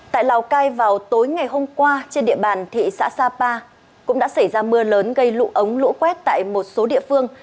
tại lào cai vào tối ngày hôm qua trên địa bàn thị xã sapa cũng đã xảy ra mưa lớn gây lũ ống lũ quét tại một số địa phương